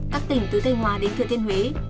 các tỉnh từ tây hoa đến thượng thiên huế